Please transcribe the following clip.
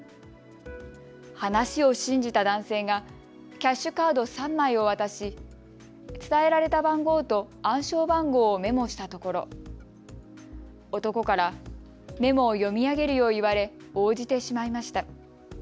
話を信じた男性がキャッシュカード３枚を渡し伝えられた番号と暗証番号をメモしたところ男からメモを読み上げるよう言われ、応じてしまいました。